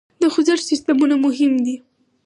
د خوزښت سیسټمونه مهم دي.